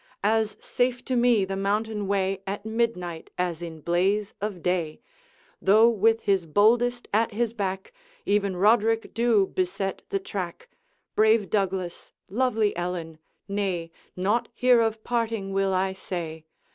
As safe to me the mountain way At midnight as in blaze of day, Though with his boldest at his back Even Roderick Dhu beset the track. Brave Douglas, lovely Ellen, nay, Naught here of parting will I say.